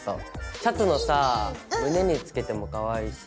シャツのさ胸につけてもかわいいし。